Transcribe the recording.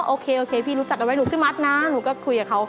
โอเคโอเคพี่รู้จักกันไว้หนูชื่อมัดนะหนูก็คุยกับเขา